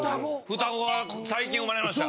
双子が最近生まれました。